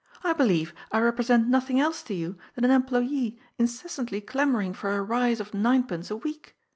I believe I represent nothing else to you than an employee incessantly clamouring for a rise of ninepence a week.